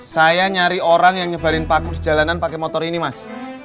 saya nyari orang yang nyebarin paku sejalanan pakai motor ini mas